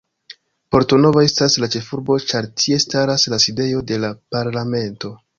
Porto Novo estas la ĉefurbo, ĉar tie staras la sidejo de la Parlamento.